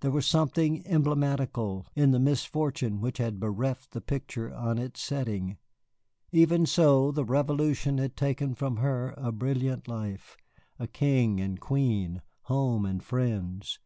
There was something emblematical in the misfortune which had bereft the picture of its setting. Even so the Revolution had taken from her a brilliant life, a king and queen, home and friends.